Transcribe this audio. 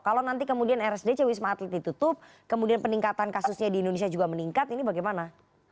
kalau nanti kemudian rsdc wisma atlet ditutup kemudian peningkatan kasusnya di indonesia juga meningkat ini bagaimana